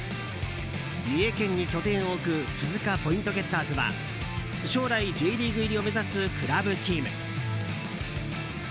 三重県に拠点を置く鈴鹿ポイントゲッターズは将来、Ｊリーグ入りを目指すクラブチーム。